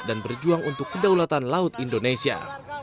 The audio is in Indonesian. dan berjuang untuk kedaulatan laut indonesia